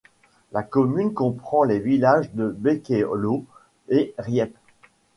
La commune comprend les villages de Benkeloh et Riepe.